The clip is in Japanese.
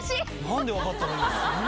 何で分かったの今。